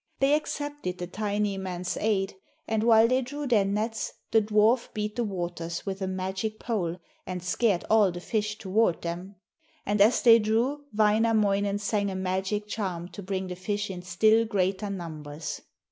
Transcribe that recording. They accepted the tiny man's aid, and while they drew their nets, the dwarf beat the waters with a magic pole and scared all the fish toward them. And as they drew, Wainamoinen sang a magic charm to bring the fish in still greater numbers.